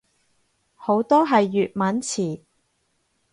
好多係粵文詞